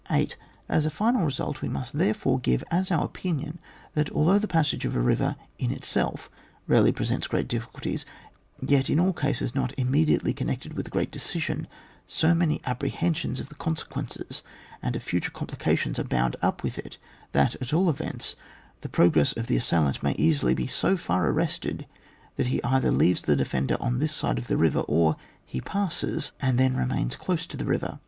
8. As a final result, we must therefore give as our opinion that, although the passage of a river in itself rarely presents great difficulties, yet in all cases not im mediately connected with a great deci sion, so many apprehensions of the con sequences and of future complications are bound up with it, that at all events the progress of the assailant may easily be so far arrested that he either leaves the defender on this side the river, or he passes, and then remains close to the river.